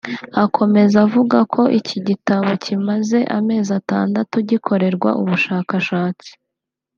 Akomeza avuga ko iki gitabo kimaze amezi atandatu gikorerwa ubushakashatsi